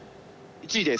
「１位です」